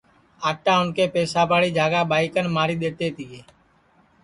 آٹا اُن کے پساباڑی جھاگا ٻائی کن ماری دؔیتے تیے